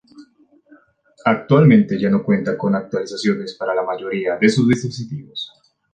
Actualmente ya no cuenta con actualizaciones para la mayoría de sus dispositivos.